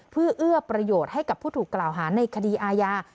เพื่อเอื้อประโยชน์ให้กับผู้ถูกกล่าวหาในคดีอาญา